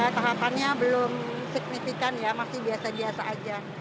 tahapannya belum signifikan ya masih biasa biasa aja